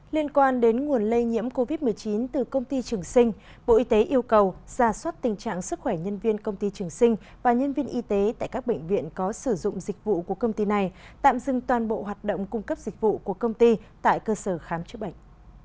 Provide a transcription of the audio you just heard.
liên quan đến nguồn lây nhiễm covid một mươi chín từ công ty trường sinh bộ y tế yêu cầu ra soát tình trạng sức khỏe nhân viên công ty trường sinh và nhân viên y tế tại các bệnh viện có sử dụng dịch vụ của công ty này tạm dừng toàn bộ hoạt động cung cấp dịch vụ của công ty tại cơ sở khám chữa bệnh